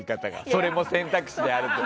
それも選択肢であると。